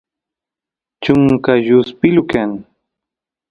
chunka lluspilu kan